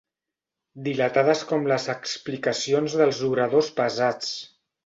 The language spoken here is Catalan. Dilatades com les explicacions dels oradors pesats.